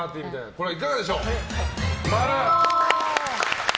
これはいかがでしょう？